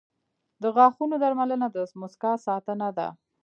• د غاښونو درملنه د مسکا ساتنه ده.